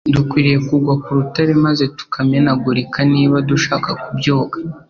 Dukwiriye kugwa ku rutare maze tukamenagurika niba dushaka kubyuka .